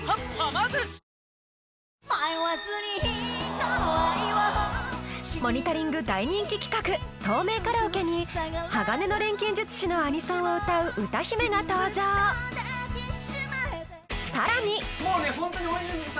迷わずにこの愛を「モニタリング」大人気企画透明カラオケに「鋼の錬金術師」のアニソンを歌う歌姫が登場更に